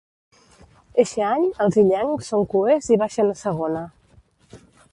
Eixe any els illencs són cuers i baixen a Segona.